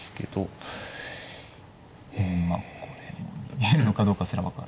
まあこれも逃げるのかどうかすら分からないです。